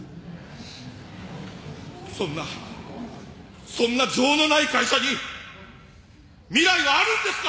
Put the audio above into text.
そんなそんな情のない会社に未来はあるんですか！？